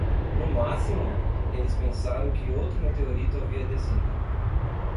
No máximo?, eles pensaram que outro meteorito havia descido.